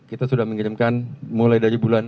kita sudah mengirimkan mulai dari bulan